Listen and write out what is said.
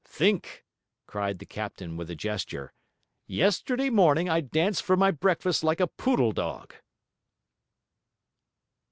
'Think!' cried the captain with a gesture, 'yesterday morning I danced for my breakfast like a poodle dog.'